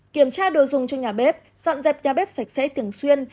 kiểm tra đồ dùng trong nhà bếp dọn dẹp nhà bếp sạch sẽ tiềng xuyên